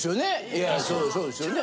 いやそうですよね。